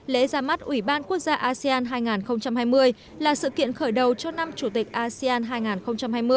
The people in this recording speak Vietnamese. lễ ra mắt ủy ban quốc gia asean hai nghìn hai mươi là sự kiện khởi đầu cho năm chủ tịch asean hai nghìn hai mươi